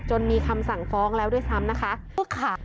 มีคำสั่งฟ้องแล้วด้วยซ้ำนะคะ